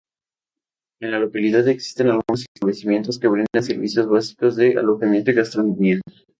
En la localidad existen algunos establecimientos que brindan servicios básicos de alojamiento y gastronomía.